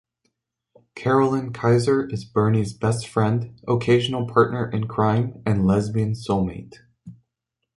Carolyn Kaiser is Bernie's best friend, occasional partner in crime, and lesbian soulmate.